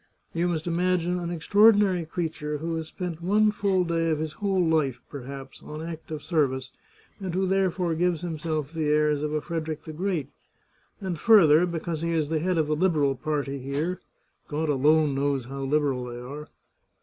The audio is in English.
You must imagine an extraordinary creature who has spent one full day of his whole life, perhaps, on active service, and who therefore gives himself the airs of a Frederick the Great; and, further, because he is the head of the Liberal party here (God alone knows how liberal they are